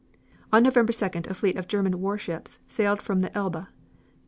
On November 2d a fleet of German warships sailed from the Elbe.